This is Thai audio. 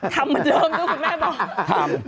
ทำมันเริ่มต้องคุณแม่บอก